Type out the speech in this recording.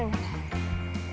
ya udah sana aja